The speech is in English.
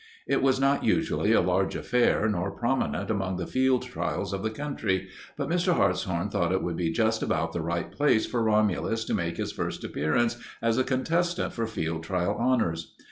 It was not usually a large affair nor prominent among the field trials of the country, but Mr. Hartshorn thought it would be just about the right place for Romulus to make his first appearance as a contestant for field trial honors.